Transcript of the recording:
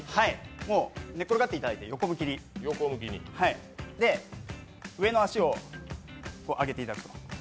寝っ転がっていただいて、横向きに上の足を上げていただくと。